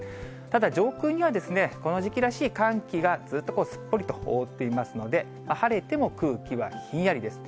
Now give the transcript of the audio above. ただ上空にはこの時期らしい寒気がずっとこう、すっぽりと覆っていますので、晴れても空気はひんやりです。